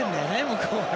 向こうは。